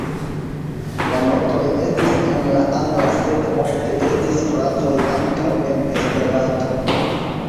La notoj estis en la angla sed ofte estis frazoj ankaŭ en Esperanto.